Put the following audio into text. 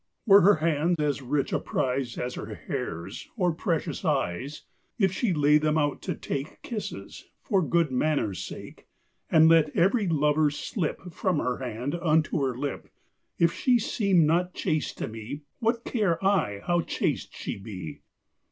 Were her hand as rich a prize As her hairs, or precious eyes, If she lay them out to take Kisses, for good manners' sake: And let every lover skip From her hand unto her lip; If she seem not chaste to me, What care I how chaste she be?